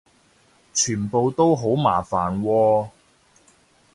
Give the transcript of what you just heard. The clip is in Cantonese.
全部都好麻煩喎